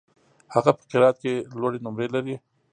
هغه په قرائت کي لوړي نمرې لري.